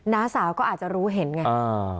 น้าสาวก็อาจจะรู้เห็นไง